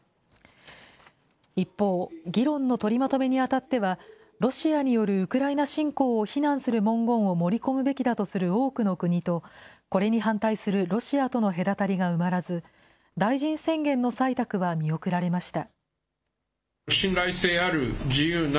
一方、議論の取りまとめにあたっては、ロシアによるウクライナ侵攻を非難する文言を盛り込むべきだとする多くの国と、これに反対するロシアとの隔たりが埋まらず、大臣宣言の採択は見送られました。